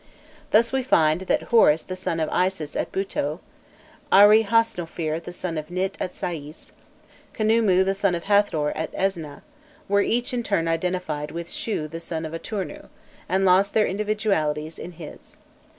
Thus we find that Horus the son of Isis at Bûto, Arihosnofir the son of Nit at Sais, Khnûmû the son of Hâthor at Esneh, were each in turn identified with Shû the son of Atûrnû, and lost their individualities in his.